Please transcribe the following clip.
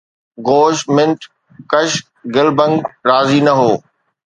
گوش منٿ ڪُش گلبنگ راضي نه هو